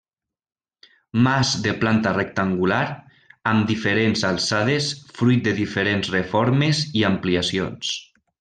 Mas de planta rectangular, amb diferents alçades fruit de diferents reformes i ampliacions.